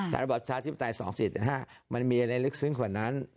แต่ระบอบประชาธิปไตย๒๔๕มันมีอะไรลึกซึ้งกว่านั้น